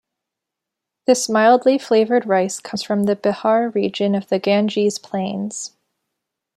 This mildly flavoured rice comes from the Bihar region of the Ganges plains.